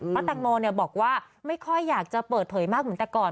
เพราะแตงโมบอกว่าไม่ค่อยอยากจะเปิดเผยมากเหมือนแต่ก่อน